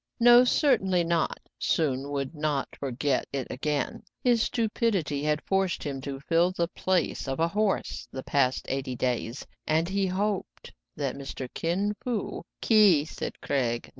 " No, certainly not : Soun would not forget it again. His stupidity had forced him to fill the piace of a horse the past eight days, and he hoped that Mr. Kin Fo "— "Ki"— said Craig.